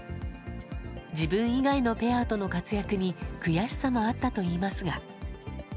自分以外のペアとの活躍に、悔しさもあったといいますが。